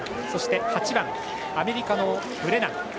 そして、８番アメリカのブレナン。